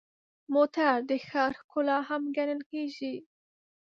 موټر د ښار ښکلا هم ګڼل کېږي.